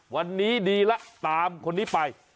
วันนี้ดีแล้วตามคนนี้ไป